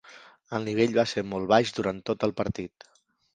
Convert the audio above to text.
El nivell va ser molt baix durant tot el partit.